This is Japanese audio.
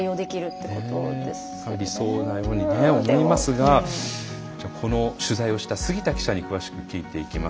それが理想なように思いますがこの取材をした杉田記者に詳しく聞いていきます。